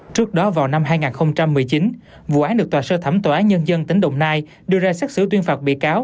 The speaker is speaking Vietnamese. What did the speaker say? trước đó vào năm hai nghìn một mươi chín vụ án được tòa sơ thẩm tòa án nhân dân tỉnh đồng nai đưa ra xác xử tuyên phạt bị cáo